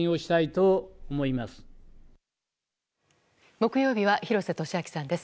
木曜日は廣瀬俊朗さんです。